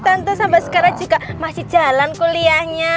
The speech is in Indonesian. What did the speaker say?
tentu sampai sekarang juga masih jalan kuliahnya